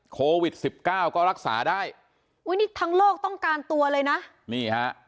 โควิดสิบเก้าก็รักษาได้อุ้ยนี่ทั้งโลกต้องการตัวเลยนะนี่ฮะ